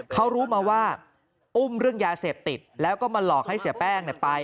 เขารู้มาว่าอุ้มเรื่องยาเสพติดแล้วก็มาหลอกให้เสียแป้งไป